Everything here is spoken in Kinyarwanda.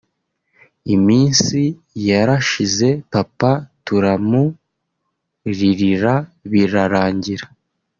Iminsi yarashize Papa turamuririra birarangira